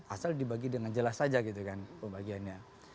asal dibagi dengan jelas saja gitu kan pembagiannya